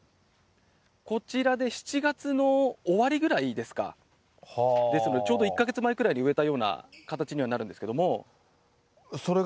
こちらで７月の終わりぐらいですか、ですのでちょうど１か月前ぐらいに植えたような形にはなるんですそれが。